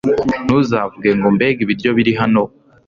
ntuzavuge ngo mbega ibiryo biri hano